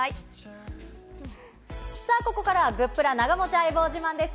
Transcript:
ここからは、グップラ長持ち相棒自慢です。